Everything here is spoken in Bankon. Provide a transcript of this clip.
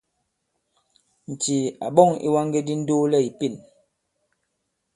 Ǹcìì à ɓɔ̂ŋ ìwaŋge di ndoolɛ ì pěn.